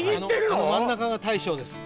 あの真ん中が大将です